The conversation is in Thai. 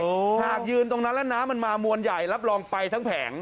หากยืนตรงนั้นแล้วน้ำมันมามวลใหญ่รับรองไปทั้งแผง